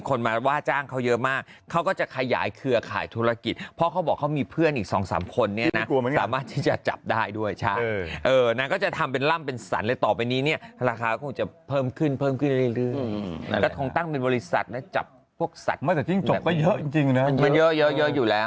เขาก็จะขยายเคือขายธุรกิจเพราะเขาบอกเขามีเพื่อนอีก๒๓คนเนี่ยนะสามารถที่จะจับได้ด้วยใช่นั้นก็จะทำเป็นล่ำเป็นสัตว์เลยต่อไปนี้เนี่ยราคาก็ก็จะเพิ่มขึ้นเรื่อยตั้งเป็นบริษัทได้จับพวกสัตว์จิ้งจกก็เยอะจริงนะมันเ